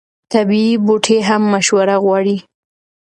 طبیعي بوټي هم مشوره غواړي.